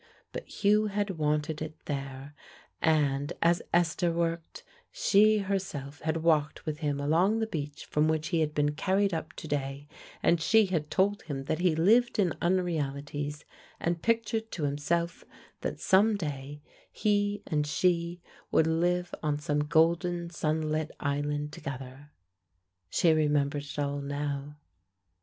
But Hugh had wanted it there, and, as Esther worked, she herself had walked with him along the beach from which he had been carried up to day, and she had told him that he lived in unrealities, and pictured to himself that some day he and she would live on some golden sunlit island together. She remembered it all now.